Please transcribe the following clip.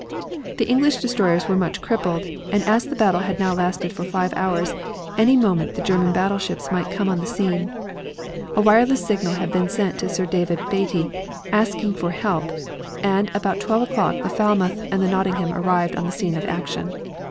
The English destroyers were much crippled, and as the battle had now lasted for five hours any moment the German great battleships might come on the scene. A wireless signal had been sent to Sir David Beatty, asking for help, and about twelve o'clock the Falmouth and the Nottingham arrived on the scene of action.